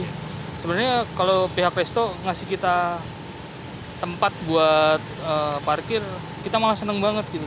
jadi sebenarnya kalau pihak resto ngasih kita tempat buat parkir kita malah seneng banget gitu